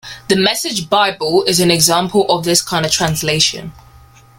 The Message Bible is an example of this kind of translation.